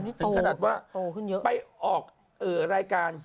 จนขนาดว่าไปออกรายการ